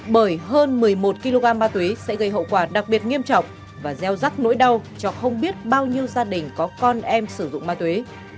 bởi hơn một mươi một kg ma túy sẽ gây hậu quả đặc biệt nghiêm trọng và gieo rắc nỗi đau cho không biết bao nhiêu gia đình có con em sử dụng ma túy